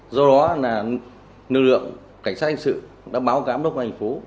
do đó là nữ lượng cảnh sát hình sự đã báo cáo các đối tượng hình sự